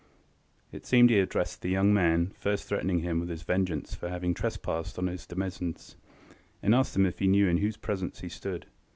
It seems he addressed the young man, first threatening him with his vengeance for having trespassed on his demesnes, and asking him if he knew in whose presence he stood.